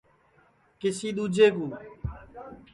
کسی ۮوجے کُﯡ